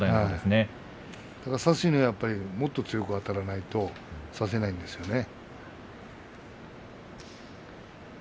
差しにいくならもっと強くあたらないと差せないですよね。